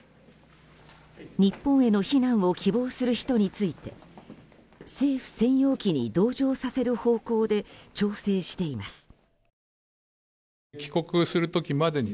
日本への避難を希望する人について政府専用機に同乗させる方向で調整しています。